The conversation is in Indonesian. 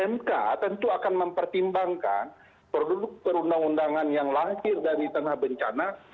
mk tentu akan mempertimbangkan produk perundang undangan yang lahir dari tengah bencana